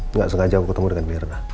enggak sengaja aku ketemu dengan mirna